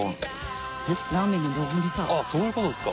△そういうことですか。